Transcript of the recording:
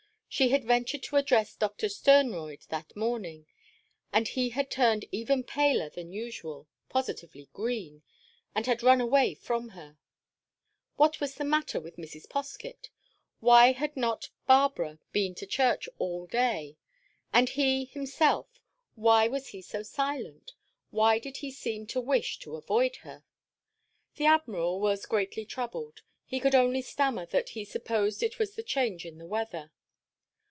She had ventured to address Doctor Sternroyd that morning, and he had turned even paler than usual—positively green—and had run away from her. What was the matter with Mrs. Poskett? Why had not Barbara been to church all day? And he, himself, why was he so silent? Why did he seem to wish to avoid her? The Admiral was greatly troubled. He could only stammer that he supposed it was the change in the weather.